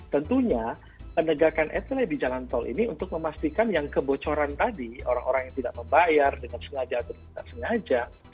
tentunya penegakan etile di jalan tol ini untuk memastikan yang kebocoran tadi orang orang yang tidak membayar dengan sengaja atau tidak sengaja